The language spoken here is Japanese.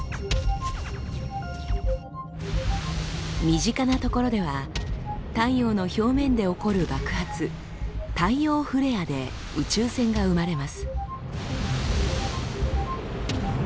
身近なところでは太陽の表面で起こる爆発「太陽フレア」で宇宙線が生まれます。